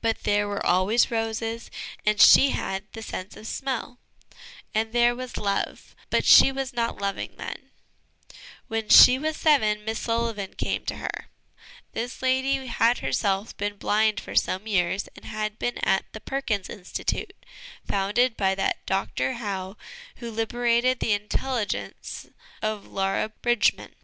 But there were always roses, and she had the sense of smell ; and there was love but she was not loving then. When 1 See Appendix A. LESSONS AS INSTRUMENTS OF EDUCATION 195 she was seven Miss Sullivan came to her. This lady had herself been blind for some years, and had been at the Perkins Institute, founded by that Dr Howe who liberated the intelligence of Laura Bridgman.